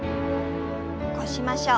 起こしましょう。